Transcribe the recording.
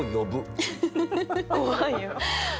怖いよ。